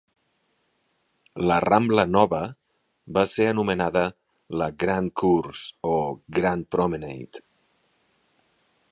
La rambla nova va ser anomenada la "Grand Cours", o "Grand Promenade".